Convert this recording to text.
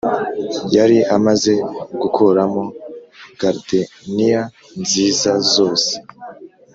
yari amaze gukuramo gardeniya nziza zose